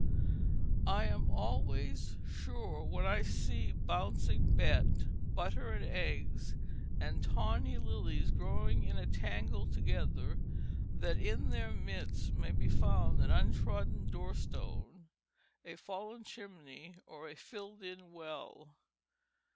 I am always sure when I see bouncing bet, butter and eggs, and tawny lilies growing in a tangle together that in their midst may be found an untrodden door stone, a fallen chimney, or a filled in well.